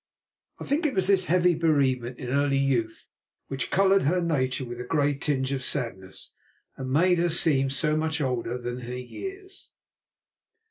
I think it was this heavy bereavement in early youth which coloured her nature with a grey tinge of sadness and made her seem so much older than her years.